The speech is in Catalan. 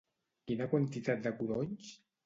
Quina quantitat de codonys?